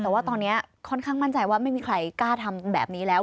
แต่ว่าตอนนี้ค่อนข้างมั่นใจว่าไม่มีใครกล้าทำแบบนี้แล้ว